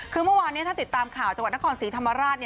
คือเมื่อวานนี้ถ้าติดตามข่าวจังหวัดนครศรีธรรมราช